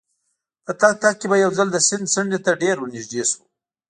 په تګ تګ کې به یو ځل د سیند څنډې ته ډېر ورنژدې شوو.